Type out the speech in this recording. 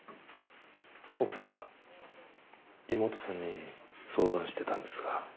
奥さんが妹さんに相談してたんですが。